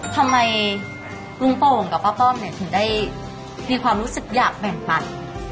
ทำไมลุงโป่งกับป้าป้อมเนี่ยถึงได้มีความรู้สึกอยากแบ่งปัน